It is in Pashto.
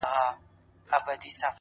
هره تجربه د لید زاویه بدله وي؛